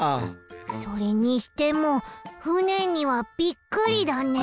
それにしてもふねにはびっくりだね。